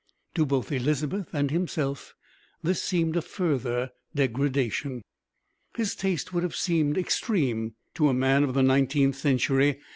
To both Elizabeth and himself this seemed a further degradation. His taste would have seemed extreme to a man of the nineteenth century.